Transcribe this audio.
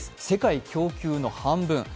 世界供給の半分。